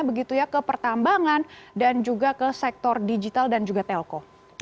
begitu ya ke pertambangan dan juga ke sektor digital dan juga telkom